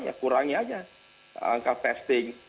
ya kurangi aja angka testing